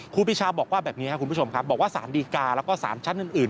ครูปีชาบอกว่าแบบนี้ครับคุณผู้ชมครับบอกว่าสารดีกาแล้วก็สารชั้นอื่น